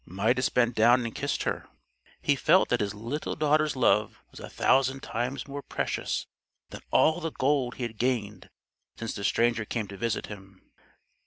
Midas bent down and kissed her. He felt that his little daughter's love was a thousand times more precious than all the gold he had gained since the stranger came to visit him.